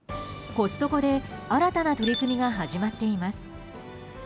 コストコで新たな取り組みが始まっています。